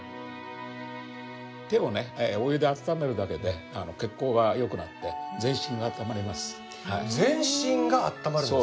手をねお湯で温めるだけで血行が良くなって全身があったまります。